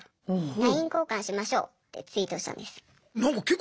「ＬＩＮＥ交換しましょう」ってツイートしたんです。